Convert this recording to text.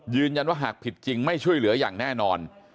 หากผิดจริงไม่ช่วยเหลืออย่างแน่นอน